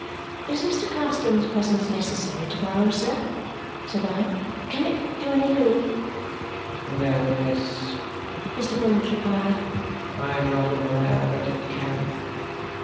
"Is Mr. Carstone's presence necessary to morrow, Sir?" said I. "Can it do any good?" "No, miss," Mr. Vholes replied. "I am not aware that it can."